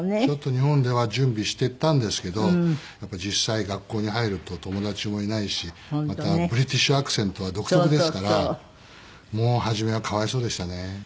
ちょっと日本では準備してたんですけどやっぱり実際学校に入ると友達もいないしまたブリティッシュアクセントは独特ですからもう初めはかわいそうでしたね。